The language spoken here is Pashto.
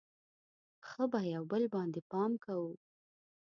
ښه به یو بل باندې پام کوو.